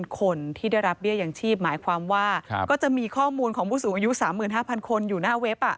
คนที่ได้รับเบี้ยอย่างชีพหมายความว่าก็จะมีข้อมูลของผู้สูงอายุ๓๕๐๐คนอยู่หน้าเว็บ